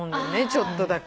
ちょっとだけ。